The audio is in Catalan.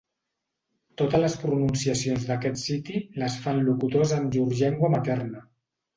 Totes les pronunciacions d'aquest siti les fan locutors en llur llengua materna.